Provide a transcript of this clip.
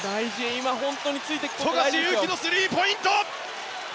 富樫勇樹のスリーポイント！